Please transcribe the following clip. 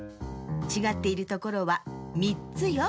ちがっているところは３つよ。